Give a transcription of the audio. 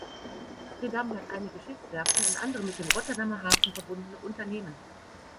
Schiedam hat einige Schiffswerften und andere mit dem Rotterdamer Hafen verbundene Unternehmen.